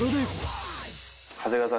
長谷川さん